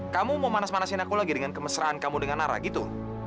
kamu mau manas manasin aku lagi dengan kemesraan kamu dengan nara gitu